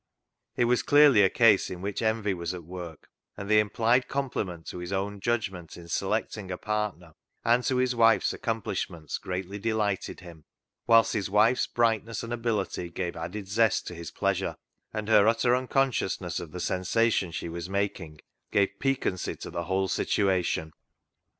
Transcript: It was i66 CLOG SHOP CHRONICLES clearly a case in which envy was at work, and the implied compliment to his own judgment in selecting a partner and, to his wife's accom plishments greatly delighted him, whilst his wife's brightness and ability gave added zest to his pleasure, and her utter unconsciousness of the sensation she was making gave piquancy to the whole situation.